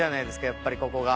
やっぱりここが。